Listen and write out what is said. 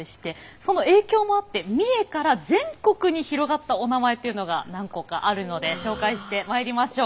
その影響もあって三重から全国に広がったおなまえというのが何個かあるので紹介してまいりましょう。